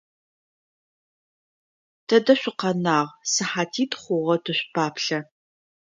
Тэдэ шъукъэнагъ? СыхьатитӀу хъугъэ тышъупаплъэ.